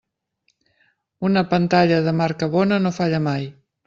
Una pantalla de marca bona no falla mai.